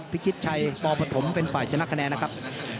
พิชิตชัยปปฐมเป็นฝ่ายชนะคะแนนนะครับ